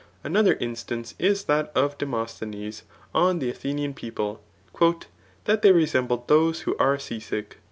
Another instance is that of Demosthenes on [the Athenian] people, That they resembled those who are sea^sick."